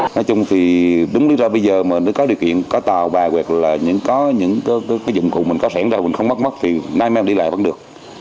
nói chung thì đúng lý do bây giờ mình có điều kiện có tàu và hoặc là những cái dụng cụ mình có sẵn ra mình không mất mất thì nay mới đi lại vẫn được